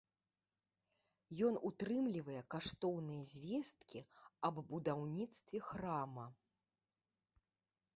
Ён утрымлівае каштоўныя звесткі аб будаўніцтве храма.